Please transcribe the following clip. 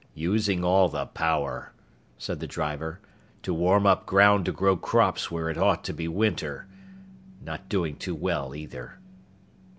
"Using all the power," said the driver, "to warm up ground to grow crops where it ought to be winter. Not doing too well, either."